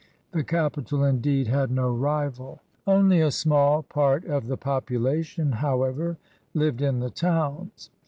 The capital^ indeed, had no rival. Only a small part of the population, however, lived in the towns.